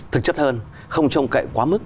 thực chất hơn không trông cậy quá mức